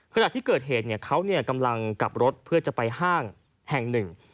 ขณะที่เกิดเหตุเขากำลังกลับรถเพื่อจะไปห้างแห่งหนึ่ง